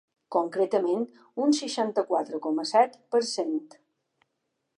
Concretament, un seixanta-quatre coma set per cent.